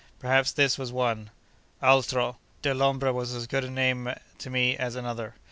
Perhaps this was one. Altro! Dellombra was as good a name to me as another.